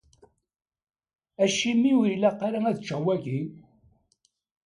Acimi ur yi-ilaq ara ad ččeɣ wagi?